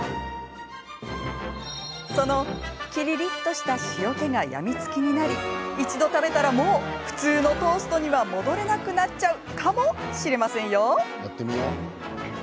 その、キリリッとした塩気が病みつきになり、一度食べたらもう普通のトーストには戻れなくなっちゃうかもしれませんよ。